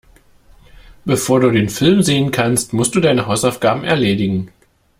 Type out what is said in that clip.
Bevor du den Film sehen kannst, musst du deine Hausaufgaben erledigen.